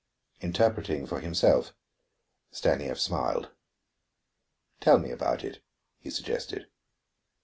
Interpreting for himself, Stanief smiled. "Tell me about it," he suggested.